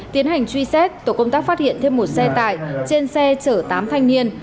tiến hành truy xét tổ công tác phát hiện thêm một xe tải trên xe chở tám thanh niên